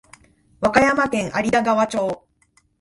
和歌山県有田川町